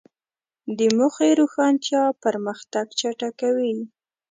د موخې روښانتیا پرمختګ چټکوي.